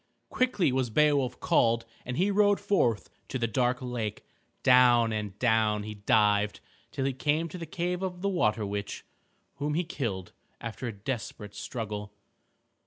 Quickly was Beowulf called and he rode forth to the dark lake. Down and down he dived till he came to the cave of the water witch whom he killed after a desperate struggle.